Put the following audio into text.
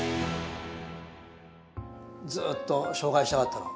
ずっと紹介したかったの？